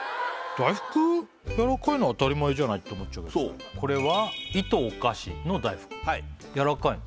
やわらかいの当たり前じゃないって思っちゃうけどこれはＩｔＷｏｋａｓｈｉの大福やらかいの？